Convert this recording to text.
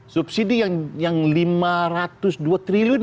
subsidi yang lima ratus dua triliun